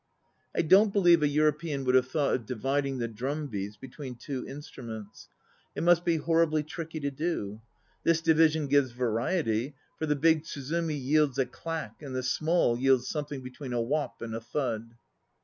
I don't believe a European would have thought of dividing the drum beats between two instruments. It must be horribly tricky to do. This division gives variety, for the big tsuzumi yields a clack and the small yields something between a whop and a thud.